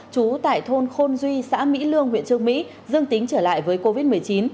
trú tại thôn khôn duy xã mỹ lương huyện trương mỹ dương tính trở lại với covid một mươi chín